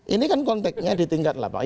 ini kan konteknya di tingkat lapangan